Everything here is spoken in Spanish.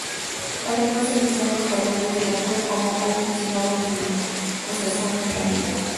Además, el mismo año Fernández de la Torre convocó un sínodo diocesano en Ávila.